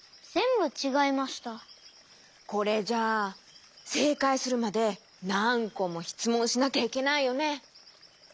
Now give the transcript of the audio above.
これじゃあせいかいするまでなんこもしつもんしなきゃいけないよね。